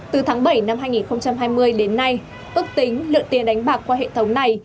từ tháng bảy năm hai nghìn hai mươi đến nay ước tính lượng tiền đánh bạc qua hệ thống này